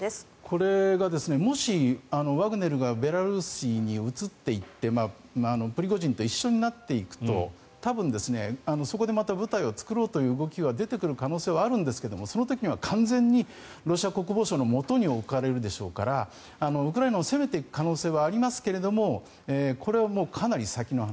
これがもし、ワグネルがベラルーシに移っていってプリゴジンと一緒になっていくと多分、そこでまた部隊を作ろうという動きは出てくる可能性はあるんですがその時には完全にロシア国防省のもとに置かれるでしょうからウクライナを攻めていく可能性はありますけどこれは、かなり先の話。